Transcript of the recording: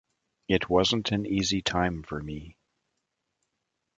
It wasn't an easy time for me.